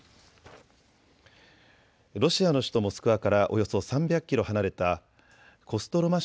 ロシアの首都モスクワからおよそ３００キロ離れたコストロマ